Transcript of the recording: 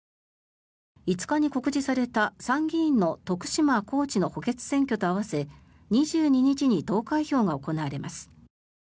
５日に告示された参議院の徳島、高知の補欠選挙と合わせ２２日に投開票が行われます。